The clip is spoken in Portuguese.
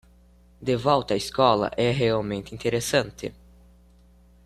De volta à escola é realmente interessante